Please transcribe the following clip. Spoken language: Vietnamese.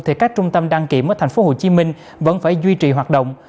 thì các trung tâm đăng kiểm ở tp hcm vẫn phải duy trì hoạt động